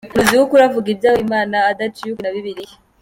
Umuhanuzi w’ukuri: Avuga ibyo abwiwe n’Imana, adaciye ukubiri na Bibiriya .